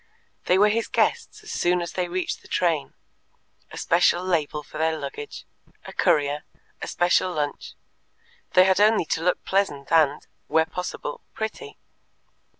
They were his guests as soon as they reached the train; a special label for their luggage; a courier; a special lunch; they had only to look pleasant and, where possible, pretty.